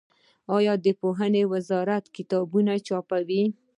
آیا د پوهنې وزارت کتابونه چاپوي؟